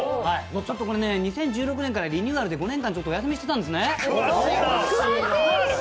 これ２０１６年からリニューアルで５年間お休みしてたんですね。